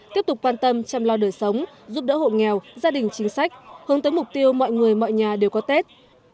tiếp tục quan tâm chăm lo đời sống giúp đỡ hộ nghèo gia đình chính sách hướng tới mục tiêu mọi người mọi nhà đều có tết